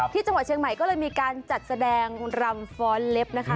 ที่จังหวัดเชียงใหม่ก็เลยมีการจัดแสดงรำฟ้อนเล็บนะคะ